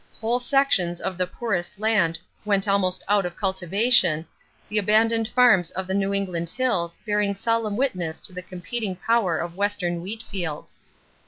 Whole sections of the poorest land went almost out of cultivation, the abandoned farms of the New England hills bearing solemn witness to the competing power of western wheat fields.